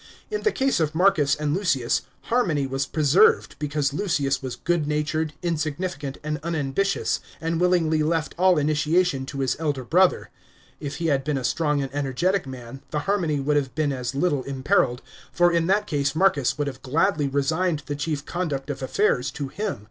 In the case of Marcus and Lucius, harmony was preserved, because Lucius was goodnatured, insignificant and unambitious, and willingly left all initiation to his elder brother. If he had been a strong arid energetic man, the harmony would have been as little imperilled, for in that case Marcus would have gladly resigned the chief conduct of affairs to him.